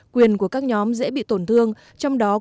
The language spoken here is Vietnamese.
quyền của các nhóm dễ bị phát triển quyền của các nhóm dễ bị phát triển